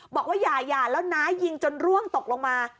บอกว่าอย่าหย่าแล้วน้ายิงจนร่วงตกลงมา